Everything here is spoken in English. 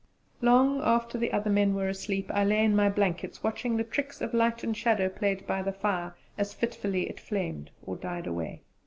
Long after the other men were asleep I lay in my blankets watching the tricks of light and shadow played by the fire, as fitfully it flamed or died away.